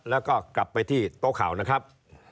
แล้วก็กลับไปที่โต๊ะข่าวนะครับ